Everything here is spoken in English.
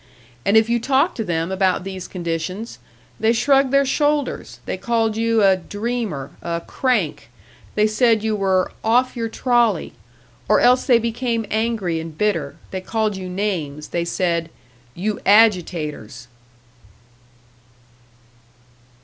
And if you talked to them about these conditions, they shrugged their shoulders, they called you a "dreamer," a "crank," they said you were "off your trolley"; or else they became angry and bitter, they called you names; they said, "You agitators!"